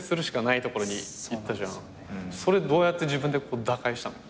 それどうやって自分で打開したの？